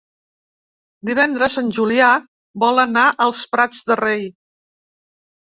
Divendres en Julià vol anar als Prats de Rei.